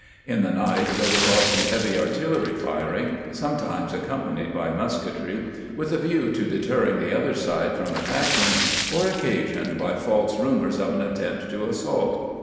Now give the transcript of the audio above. In the night there was often heavy artillery firing, sometimes accompanied by musketry, with a view to deterring the other side from attacking, or occasioned by false rumors of an attempt to assault.